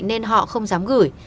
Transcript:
nên họ không dám gửi